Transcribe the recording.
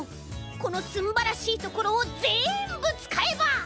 このすんばらしいところをぜんぶつかえば。